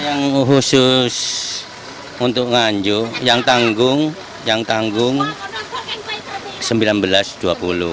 yang khusus untuk nganjuk yang tanggung yang tanggung sembilan belas dua puluh